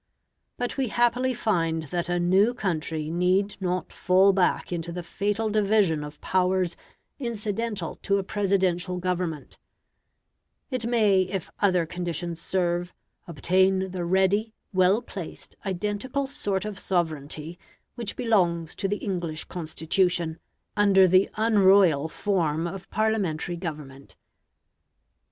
But we happily find that a new country need not fall back into the fatal division of powers incidental to a Presidential government; it may, if other conditions serve, obtain the ready, well placed, identical sort of sovereignty which belongs to the English Constitution, under the unroyal form of Parliamentary government.